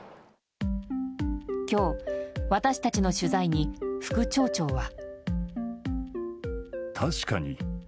今日、私たちの取材に副町長は。